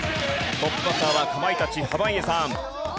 トップバッターはかまいたち濱家さん。